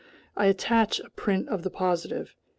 I attach a print of the positive.